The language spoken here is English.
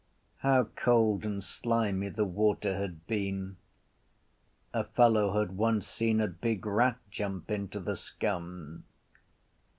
How cold and slimy the water had been! A fellow had once seen a big rat jump into the scum.